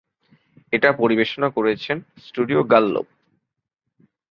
এটা পরিবেশনা করেছেন স্টুডিও গাল্লোপ।